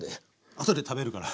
あとで食べるから。